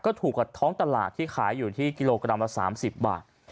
ก็ถูกกว่าท้องตลาดที่ขายอยู่ที่กิโลกรัมละ๓๐บาท